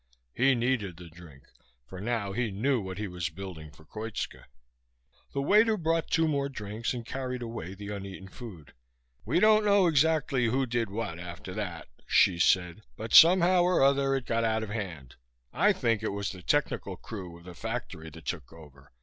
He needed the drink. For now he knew what he was building for Koitska. The waiter brought two more drinks and carried away the uneaten food. "We don't know exactly who did what after that," Hsi said, "but somehow or other it got out of hand. I think it was the technical crew of the factory that took over.